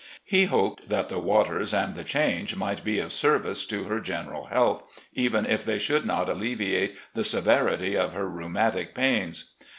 He hoped that the waters and the change might be of service to her general health, even if they should not alleviate the severity of her rheumatic pains.